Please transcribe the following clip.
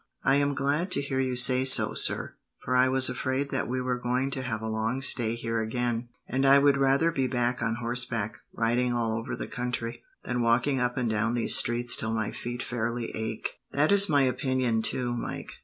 "I am glad to hear you say so, sir, for I was afraid that we were going to have a long stay here again, and I would rather be on horseback, riding all over the country, than walking up and down these streets till my feet fairly ache." "That is my opinion, too, Mike.